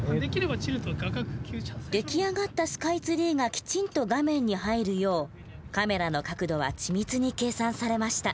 出来上がったスカイツリーがきちんと画面に入るようカメラの角度は緻密に計算されました。